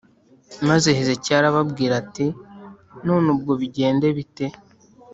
Maze Hezekiya arababwira ati None ubwo bigende bite